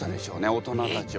大人たちは。